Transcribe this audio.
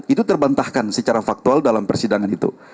itu terbantahkan secara faktual dalam persidangan itu